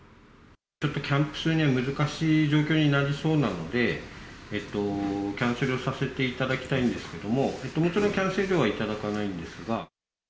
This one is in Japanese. ちょっとキャンプするには難しい状況になりそうなので、キャンセルさせていただきたいんですけども。もちろんキャンセル料は頂かないんですが。